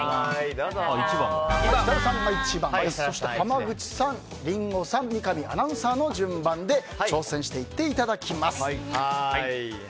設楽さんが１番濱口さん、リンゴさん三上アナウンサーの順番で挑戦していただきます。